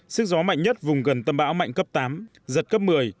sức gió mạnh nhất vùng gần tâm bão mạnh cấp tám giật cấp một mươi